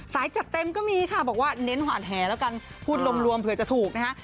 จัดเต็มก็มีค่ะบอกว่าเน้นหวานแหแล้วกันพูดรวมเผื่อจะถูกนะฮะ